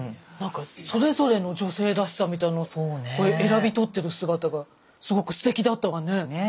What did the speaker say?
それぞれの女性らしさみたいのを選び取ってる姿がすごくすてきだったわね。